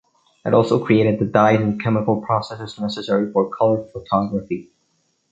It also created the dyes and chemical processes necessary for color photography.